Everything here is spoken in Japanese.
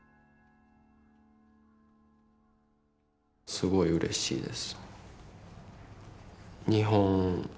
すごいうれしいです。